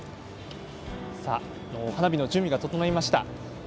花火の準備が整いました。